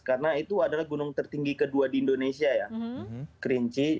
karena itu adalah gunung tertinggi kedua di indonesia ya kerinci